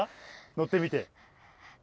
乗ってみて。